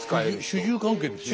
主従関係ですよね。